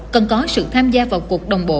cần có sự tham gia vào cuộc đồng bộ